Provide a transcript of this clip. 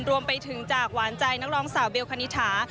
รวมไปถึงจากหวานใจนักร้องสาวเบลคณิถา